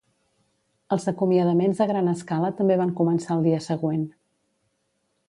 Els acomiadaments a gran escala també van començar el dia següent.